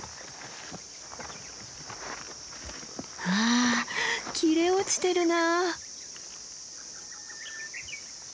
わあ切れ落ちてるな。